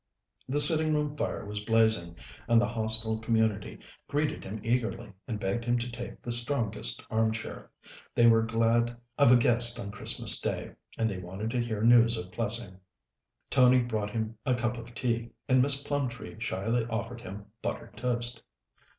The sitting room fire was blazing, and the Hostel community greeted him eagerly, and begged him to take the strongest arm chair. They were glad of a guest on Christmas Day, and they wanted to hear news of Plessing. Tony brought him a cup of tea, and Miss Plumtree shyly offered him buttered toast.